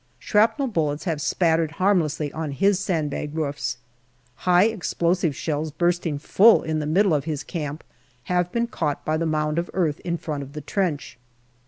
Shrapnel bullets have spattered harm lessly on his sand bagged roofs. High explosive shells bursting full in the middle of his camp have been caught by the mound of earth in front of the trench.